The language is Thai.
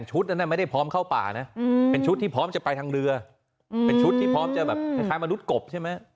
นั้นไม่ได้พร้อมเข้าป่านะเป็นชุดที่พร้อมจะไปทางเรือเป็นชุดที่พร้อมจะแบบคล้ายมนุษย์กบใช่ไหม